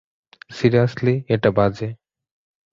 Seriously, এটা বাজে।